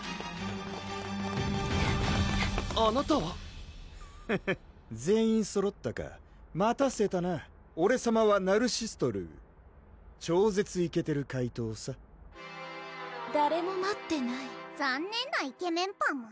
・あなたはフフ全員そろったか待たせたなオレさまはナルシストルー超絶イケてる怪盗さ誰も待ってない残念なイケメンパム